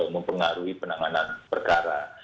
mempengaruhi penanganan perkara